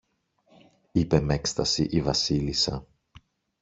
είπε μ' έκσταση η Βασίλισσα